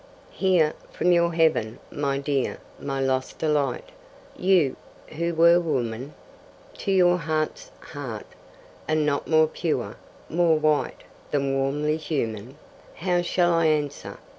Hear from your heaven, my dear, my lost delight, You who were woman To your heart's heart, and not more pure, more white, Than warmly human. How shall I answer?